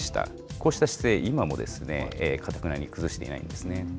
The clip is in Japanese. こうした姿勢、今もかたくなに崩していないんですね。